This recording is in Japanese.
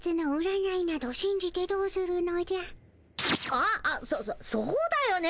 あっそそそうだよね。